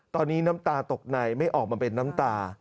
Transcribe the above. ตอนนี้น้ำตาตกในไม่ออกมาเป็นน้ำตา